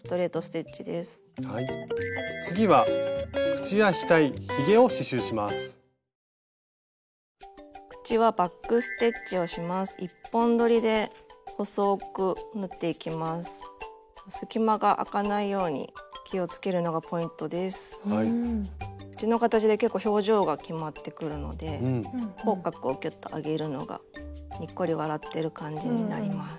口の形で結構表情が決まってくるので口角をギュッと上げるのがにっこり笑ってる感じになります。